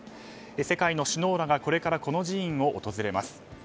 世界の首脳らがこれからこの寺院を訪れます。